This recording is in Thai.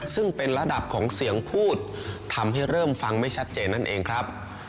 ซึ่งเป็นระดับของเสียงพูดทำให้เริ่มฟังไม่ชัดเจนนั่นเองครับ